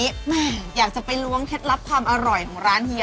แม่อยากจะไปล้วงเคล็ดลับความอร่อยของร้านเฮีย